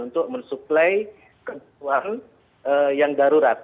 untuk mensuplai kebutuhan yang darurat